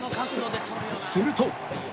すると